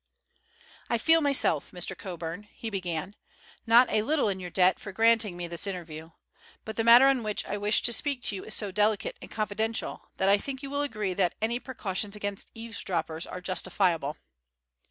"I feel myself, Mr. Coburn," he began, "not a little in your debt for granting me this interview. But the matter on which I wish to speak to you is so delicate and confidential, that I think you will agree that any precautions against eavesdroppers are justifiable."